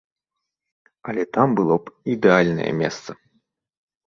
Але там было б ідэальнае месца.